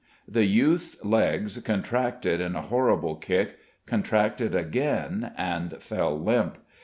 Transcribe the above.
The youth's legs contracted in a horrible kick, contracted again and fell limp.